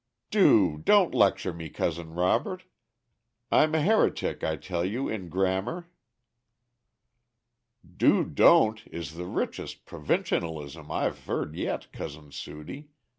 '" "Do don't lecture me, Cousin Robert. I'm a heretic, I tell you, in grammar." "'Do don't' is the richest provincialism I have heard yet, Cousin Sudie.